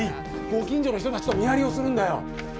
ご近所の人たちと見張りをするんだよ。